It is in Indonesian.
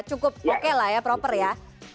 cukup oke lah ya proper ya